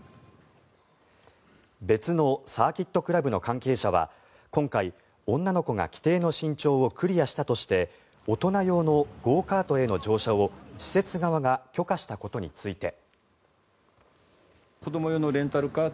別のサーキットクラブの関係者は今回、女の子が規定の身長をクリアしたとして大人用のゴーカートへの乗車を施設側が許可したことについて。